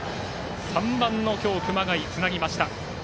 ３番の今日、熊谷がつなぎました。